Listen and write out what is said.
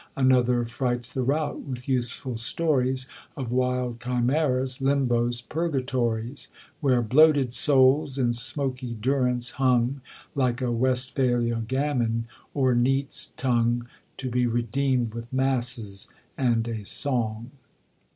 Another frights the rout with useful stories Of wild chimeras, limbos PURGATORIES Where bloated souls in smoky durance hung, Like a Westphalia gammon or neat's tongue, To be redeem'd with masses and a song.